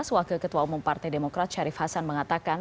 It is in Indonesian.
wakil ketua umum partai demokrat syarif hasan mengatakan